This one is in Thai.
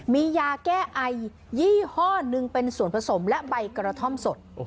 มียาแก้ไอยี่ห้อหนึ่งเป็นส่วนผสมและใบกระท่อมสด